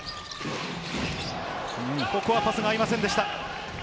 ここはパスが合いませんでした。